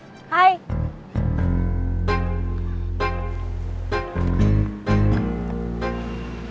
mereka nawarin kerjaan di biro jasa pemindahan uang